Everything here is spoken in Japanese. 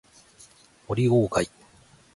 森鴎外